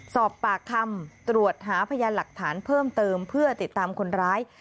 สอบปากคำตรวจหาพยานหลักฐานเพิ่มเติมเพื่อติดตามคนร้าย